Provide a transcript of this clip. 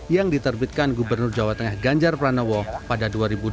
yang diterbitkan gubernur jawa tengah ganjar pranowo pada dua ribu dua puluh